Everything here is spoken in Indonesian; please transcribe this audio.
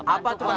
apa itu pak